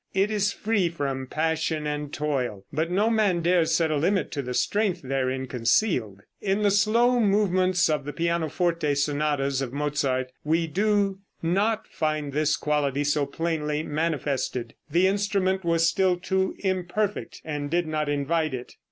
It is free from passion and toil; but no man dares set a limit to the strength therein concealed. In the slow movements of the pianoforte sonatas of Mozart we do not find this quality so plainly manifested. The instrument was still too imperfect, and did not invite it.